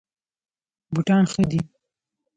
بوټان ښه دي.